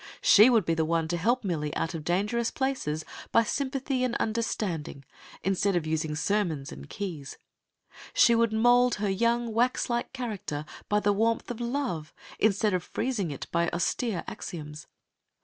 She would be the one to help Millie out of dangerous places by sympathy and understanding, instead of using sermons and keys. She would mould her young, wax like character by the warmth of love, instead of freezing it by austere axioms.